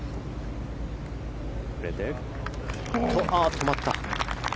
止まった。